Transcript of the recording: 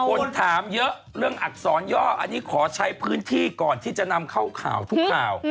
คนถามเยอะเรื่องอักษรย่ออันนี้ขอใช้พื้นที่ก่อนที่จะนำเข้าข่าวทุกข่าว